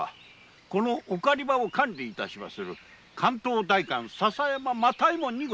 このお狩場を管理致しまする関東代官笹山又右衛門にございます。